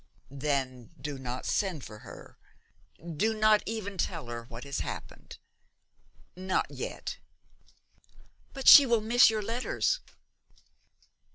'Then do not send for her; do not even tell her what has happened; not yet.' 'But she will miss your letters.'